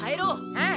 ああ。